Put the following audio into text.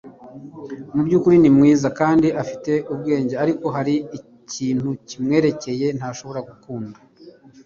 Mubyukuri ni mwiza kandi ufite ubwenge, ariko hari ikintu kimwerekeye ntashobora gukunda.